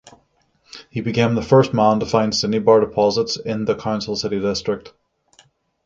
He became the first man to find cinnabar deposits in the Council City district.